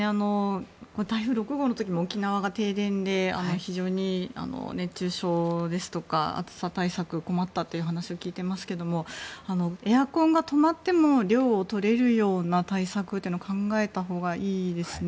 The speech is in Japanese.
台風６号の時も沖縄が停電で非常に熱中症ですとか暑さ対策に困ったというお話を聞いてますけどもエアコンが止まっても涼をとれるような対策を考えたほうがいいですね。